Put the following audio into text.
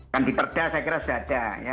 kan diperda saya kira sudah ada